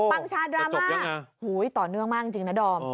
อ๋อจะจบยังไงปังชาดราม่าโอ้โฮต่อเนื่องมากจริงนะดอม